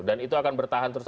dan itu akan bertahan terus